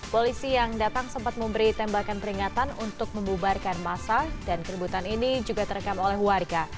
polisi yang datang sempat memberi tembakan peringatan untuk membubarkan masa dan keributan ini juga terekam oleh warga